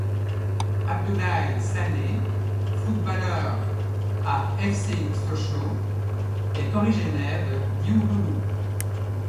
Abdoulaye Sané, footballeur à Fc Sochaux est originaire de Diouloulou.